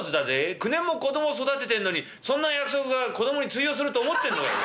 ９年も子ども育ててんのにそんな約束が子どもに通用すると思ってんのかよ。